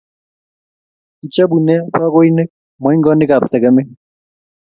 Kichobune bakoinik moingonikap segemik